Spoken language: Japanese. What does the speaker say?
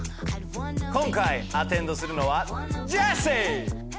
今回アテンドするのはジェシー！